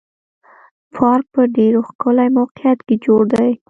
پارک په ډېر ښکلي موقعیت کې جوړ دی.